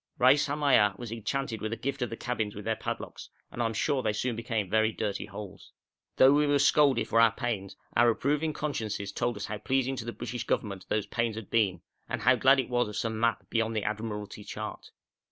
Reis Hamaya was enchanted with a gift of the cabins with their padlocks, and I am sure they soon became very dirty holes. Though we were scolded for our pains, our approving consciences told us how pleasing to the British Government those pains had been, and how glad it was of some map beyond the Admiralty chart.